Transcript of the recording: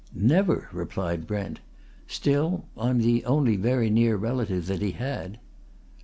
"Never!" replied Brent. "Still I'm the only very near relative that he had."